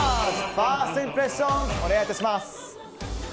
ファーストインプレッションお願いいたします。